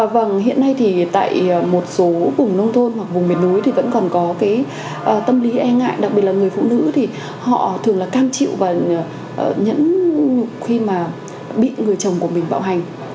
vâng hiện nay thì tại một số vùng nông thôn hoặc vùng miền núi thì vẫn còn có cái tâm lý e ngại đặc biệt là người phụ nữ thì họ thường là cam chịu và khi mà bị người chồng của mình bạo hành